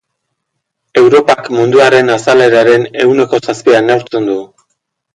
Europak munduaren azaleraren ehuneko zazpia neurtzen du.